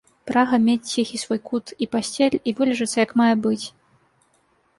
Прага мець ціхі свой кут і пасцель і вылежацца як мае быць.